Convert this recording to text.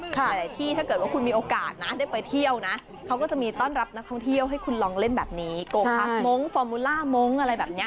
หลายที่ถ้าเกิดว่าคุณมีโอกาสนะได้ไปเที่ยวนะเขาก็จะมีต้อนรับนักท่องเที่ยวให้คุณลองเล่นแบบนี้โกพัสมงคอร์มูล่ามงค์อะไรแบบนี้